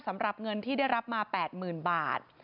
สำหรับเงินที่ได้รับมา๘๐๐๐บาท